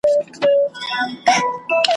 په کابل کي د بهرنیو چارو وزارت مخي ته `